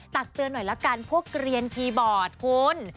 ตักเตือนหน่อยละกันพวกเกลียนคีย์บอร์ดคุณ